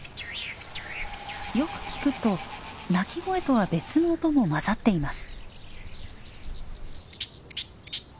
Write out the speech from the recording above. よく聞くと鳴き声とは別の音も混ざっています。